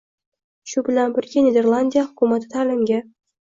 Shu bilan birga, Niderlandiya hukumati ta’limga